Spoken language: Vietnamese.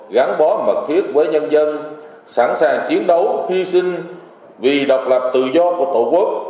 gắn bó mật thiết với nhân dân sẵn sàng chiến đấu hy sinh vì độc lập tự do của tổ quốc